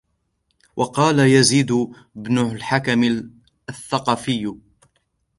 وَقَالَ يَزِيدُ بْنُ الْحَكَمِ الثَّقَفِيُّ